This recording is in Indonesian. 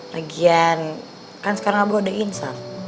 lagian kan sekarang abah udah insan